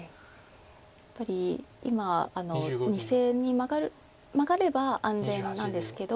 やっぱり今２線にマガれば安全なんですけど。